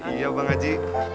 iya bang haji